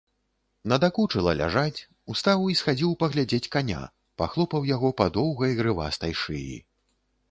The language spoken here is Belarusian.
Надакучыла ляжаць, устаў і схадзіў паглядзець каня, пахлопаў яго па доўгай грывастай шыі.